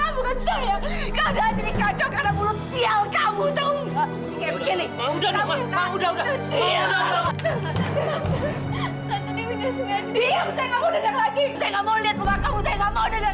kamu harus denger kamu harus denger